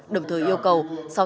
đồng thời yêu cầu